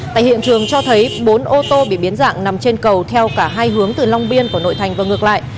tại hiện trường cho thấy bốn ô tô bị biến dạng nằm trên cầu theo cả hai hướng từ long biên vào nội thành và ngược lại